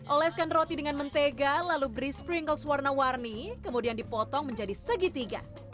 oleskan roti dengan mentega lalu beri sprinkles warna warni kemudian dipotong menjadi segitiga